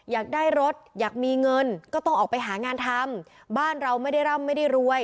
อยากได้รถอยากมีเงินก็ต้องออกไปหางานทำบ้านเราไม่ได้ร่ำไม่ได้รวย